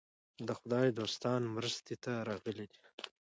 د خدای دوستان مرستې ته راغلي دي.